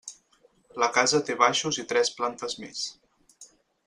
La casa té baixos i tres plantes més.